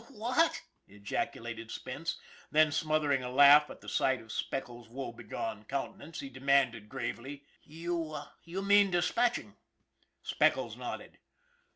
"W what!" ejaculated Spence. Then, smothering a laugh at the sight of Speckles' woebegone counte nance, he demanded gravely " You mean dispatch ing?" Speckles nodded.